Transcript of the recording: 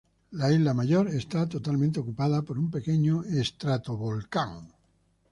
La isla Mayor esta totalmente ocupada por un pequeño estratovolcán.